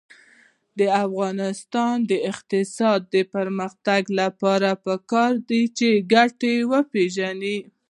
د افغانستان د اقتصادي پرمختګ لپاره پکار ده چې ګټې وپېژنو.